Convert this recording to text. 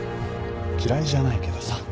嫌いじゃないけどさ。